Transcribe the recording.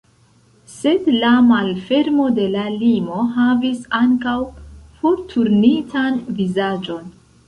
Sed la malfermo de la limo havis ankaŭ forturnitan vizaĝon.